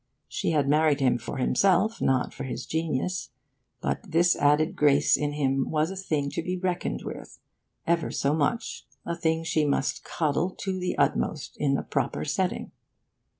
She had married him for himself, not for his genius; but this added grace in him was a thing to be reckoned with, ever so much; a thing she must coddle to the utmost in a proper setting.